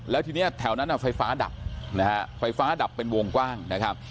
แล้วทีนี้แถวนั้นไฟฟ้าดับนะฮะไฟฟ้าดับเป็นวงกว้างนะครับ